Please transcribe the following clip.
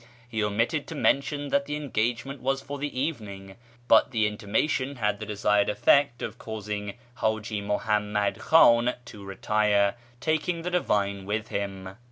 He omitted to mention tliat the engagement was for the evening, but the intimation had the desired effect of causing Haji Muhammad Khan to retire, taking the divine with him.